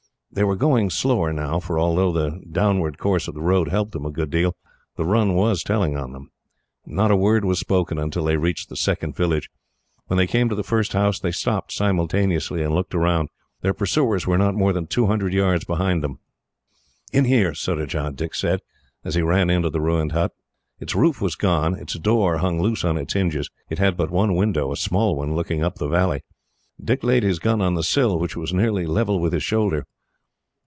They were going slower now, for although the downward course of the road helped them a good deal, the run was telling on them. Not a word was spoken, until they reached the second village. When they came to the first house, they stopped simultaneously, and looked round. Their pursuers were not more than two hundred yards behind them. "In here, Surajah," Dick said, as he ran into the ruined hut. Its roof was gone, its door hung loose on its hinges. It had but one window, a small one, looking up the valley. Dick laid his gun on the sill, which was nearly level with his shoulder.